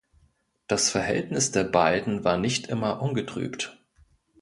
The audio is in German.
Das Verhältnis der beiden war nicht immer ungetrübt.